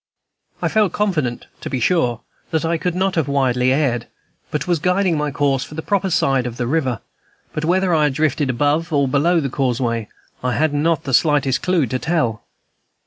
I felt confident, to be sure, that I could not have widely erred, but was guiding my course for the proper side of tie river. But whether I had drifted above or below the causeway I had not the slightest clew to tell.